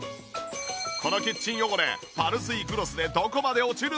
このキッチン汚れパルスイクロスでどこまで落ちるのか？